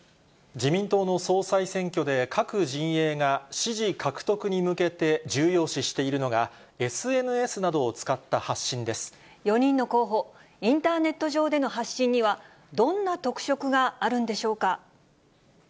自民党の総裁選挙で各陣営が支持獲得に向けて重要視しているのが、ＳＮＳなどを使った発信で４人の候補、インターネット上での発信には、どんな特色があるんでしょうか。